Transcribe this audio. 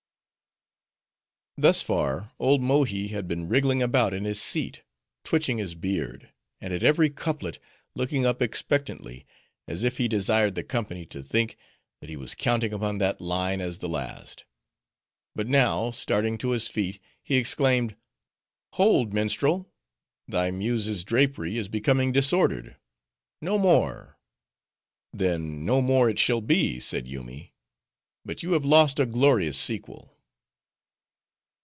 Thus far, old Mohi had been wriggling about in his seat, twitching his beard, and at every couplet looking up expectantly, as if he desired the company to think, that he was counting upon that line as the last; But now, starting to his feet, he exclaimed, "Hold, minstrel! thy muse's drapery is becoming disordered: no more!" "Then no more it shall be," said Yoomy, "But you have lost a glorious sequel."